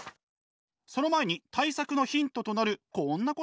その前に対策のヒントとなるこんなことやっちゃいます。